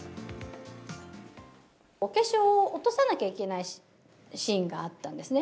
お化粧を落とさなきゃいけないシーンがあったんですね。